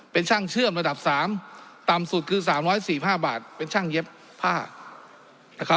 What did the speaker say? เป็นช่างเชื่อมระดับ๓ต่ำสุดคือ๓๔๕บาทเป็นช่างเย็บผ้านะครับ